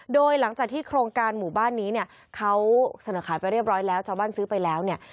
โดยหลังจากที่โครงการหมู่บ้านนี้เนี่ยเขาเสนอขายไปเรียบร้อยแล้วชาวบ้านซื้อไปแล้วเนี่ย